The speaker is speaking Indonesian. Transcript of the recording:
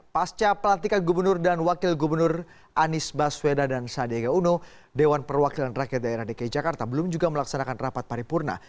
pasca pelantikan gubernur dan wakil gubernur anies baswedan dan sadega uno dewan perwakilan rakyat daerah dki jakarta belum juga melaksanakan rapat paripurna